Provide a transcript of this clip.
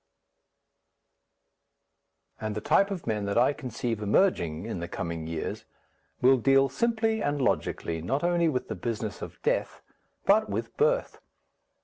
And the type of men that I conceive emerging in the coming years will deal simply and logically not only with the business of death, but with birth.